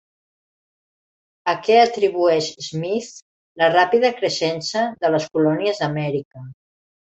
A què atribueix Smith la ràpida creixença de les colònies d'Amèrica?